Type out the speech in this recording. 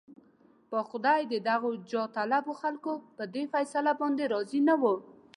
خدای پاک د دغو جاهطلبو خلکو په دې فيصله باندې راضي نه و.